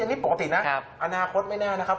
นี่ปกตินะอนาคตไม่แน่นะครับ